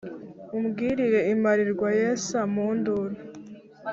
Umbwirire Imparirwa yesa mu nduru